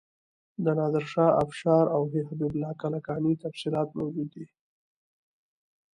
د نادر شاه افشار او حبیب الله کلکاني تفصیلات موجود دي.